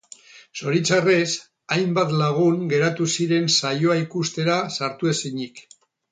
Zoritxarrez, hainbat lagun geratu ziren saioa ikustera sartu ezinik.